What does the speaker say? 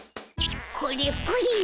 これプリン